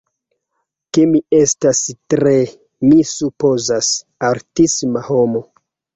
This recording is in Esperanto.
ke mi estas tre, mi supozas, artisma homo